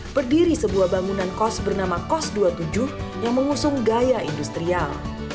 berdiri sebuah bangunan kos bernama kos dua puluh tujuh yang mengusung gaya industrial